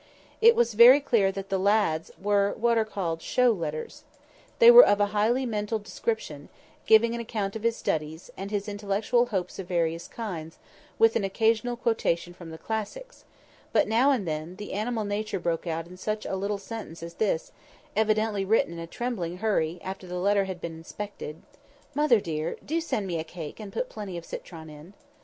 It was very clear that the lad's were what are called show letters. They were of a highly mental description, giving an account of his studies, and his intellectual hopes of various kinds, with an occasional quotation from the classics; but, now and then, the animal nature broke out in such a little sentence as this, evidently written in a trembling hurry, after the letter had been inspected: "Mother dear, do send me a cake, and put plenty of citron in."